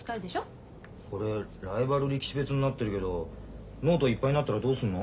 これライバル力士別になってるけどノートいっぱいになったらどうすんの？